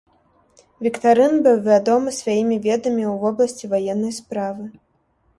Віктарын быў вядомы сваімі ведамі ў вобласці ваеннай справы.